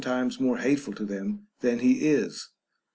15 times more hateful to them than he is.